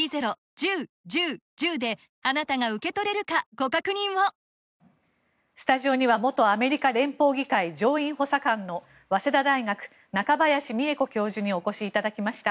今スタジオには元アメリカ連邦議会上院補佐官の早稲田大学、中林美恵子教授にお越しいただきました。